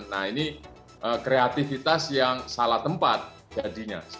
nah ini kreativitas yang salah tempat jadinya